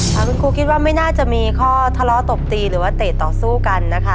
ทางคุณครูคิดว่าไม่น่าจะมีข้อทะเลาะตบตีหรือว่าเตะต่อสู้กันนะคะ